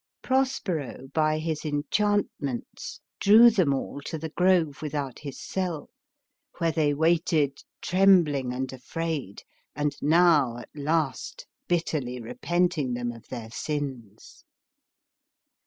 Prospero by his enchantments drew them all to the grove with out his cell, where they waited, trembling and afraid, and now at last bitterly repenting them of their sins.